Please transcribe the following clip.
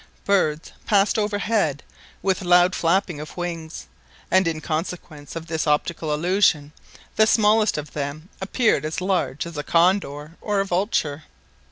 Birds passed overhead with loud flapping of wings, and in consequence of this optical illusion the smallest of them appeared as large as a condor or a vulture.